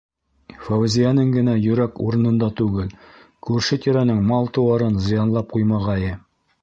Фәүзиәнең генә йөрәк урынында түгел: күрше-тирәнең мал- тыуарын зыянлап ҡуймағайы.